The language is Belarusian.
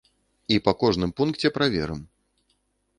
І па кожным пункце праверым.